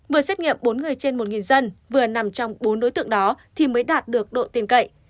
vừa xét nghiệm bốn người trên một dân vừa nằm trong bốn đối tượng đó thì mới đạt được độ tin cậy